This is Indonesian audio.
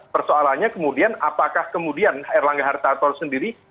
persoalannya kemudian apakah kemudian erlangga hartarto sendiri